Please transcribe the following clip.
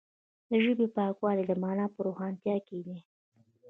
د ژبې پاکوالی د معنا په روښانتیا کې دی.